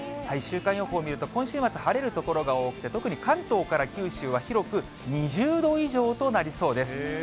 週間予報を見ると、今週末、晴れる所が多くて、特に関東から九州は広く２０度以上となりそうです。